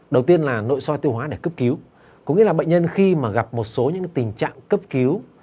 đầu tiên là nội soi tiêu hóa để cấp cứu cũng nghĩa là bệnh nhân khi gặp một số tình trạng cấp cứu